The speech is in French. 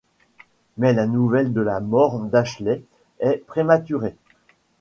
Mais la nouvelle de la mort d'Ashley est prématurée.